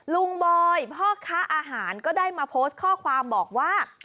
บอยพ่อค้าอาหารก็ได้มาโพสต์ข้อความบอกว่า